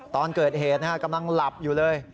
ตอนเกิดเหตุกำลังหลับอยู่เลย